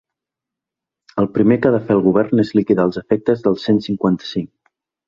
El primer que ha de fer el govern és liquidar els efectes del cent cinquanta-cinc.